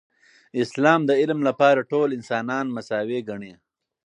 اسلام د علم لپاره ټول انسانان مساوي ګڼي.